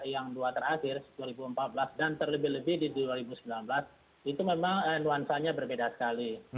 yang dua terakhir dua ribu empat belas dan terlebih lebih di dua ribu sembilan belas itu memang nuansanya berbeda sekali